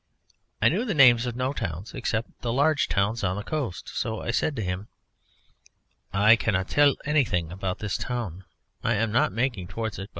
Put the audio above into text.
I knew the names of no towns except the large towns on the coast. So I said to him: "I cannot tell anything about this town, I am not making towards it.